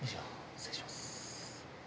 失礼します。